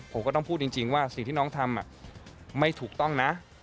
ผมก็ต้องพูดจริงว่าสิ่งที่น้องทำไม่ถูกต้องนะ